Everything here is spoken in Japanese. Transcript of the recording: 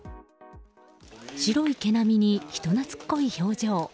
白い毛並みに人懐こい表情。